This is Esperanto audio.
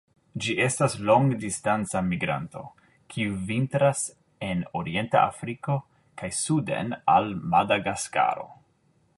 Ĝi estas longdistanca migranto, kiu vintras en orienta Afriko kaj suden al Madagaskaro.